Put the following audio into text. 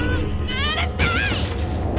うるさい！